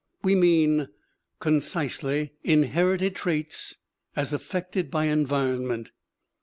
We mean, concisely, inherited traits as affected by environment.